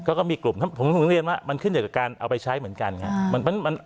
ก็มีกลุ่มมันขึ้นกับการเอาไปใช้เหมือนกัน